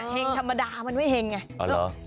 เห็งธรรมดามันไม่เห็งไง